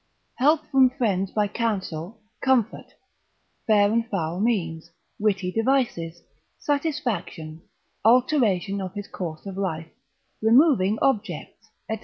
—_Help from friends by counsel, comfort, fair and foul means, witty devices, satisfaction, alteration of his course of life, removing objects, &c.